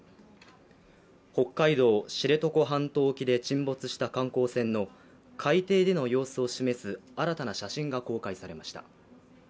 北海道知床半島沖で沈没した観光船の海底での様子を示す新たな写真が公開されました。